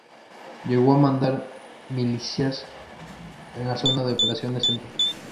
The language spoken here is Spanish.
Llegó a mandar milicias en la zona de operaciones centro.